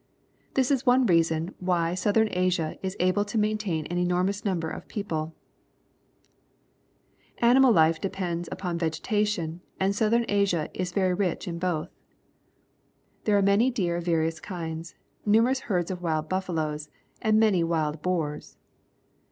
This is one reason wh}' Southern Asia is able to maintain an enormous number of people. Elephants crossing a River, Burma Animal life depends upon vegetation, and Southern Asia is very rich in both. There are many deer of various kinds, numerous herds of wild buffaloes, and many wild boars.